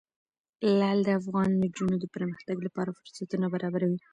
لعل د افغان نجونو د پرمختګ لپاره فرصتونه برابروي.